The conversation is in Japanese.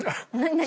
何？